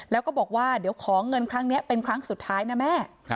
แล้วก็บอกว่าเดี๋ยวขอเงินครั้งนี้เป็นครั้งสุดท้ายนะแม่